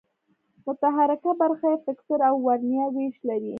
متحرکه برخه یې فکسر او ورنیه وېش لري.